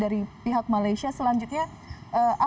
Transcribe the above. dari tingkat atau bagaimana bagaimana